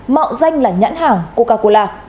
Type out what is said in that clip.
mọ danh là nhãn hàng coca cola